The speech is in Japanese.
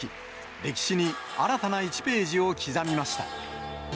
歴史に新たな１ページを刻みました。